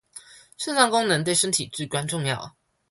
腎臟功能對身體至關重要